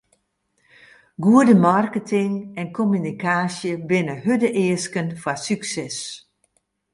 Goede marketing en kommunikaasje binne hurde easken foar sukses.